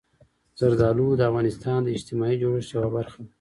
زردالو د افغانستان د اجتماعي جوړښت یوه برخه ده.